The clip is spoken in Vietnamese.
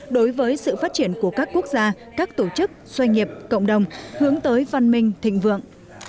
đối với sự phát triển của các quốc gia các tổ chức doanh nghiệp cộng đồng hướng tới văn minh thịnh vượng